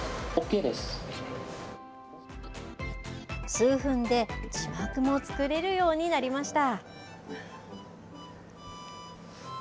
数分で字幕も作れるようになりました。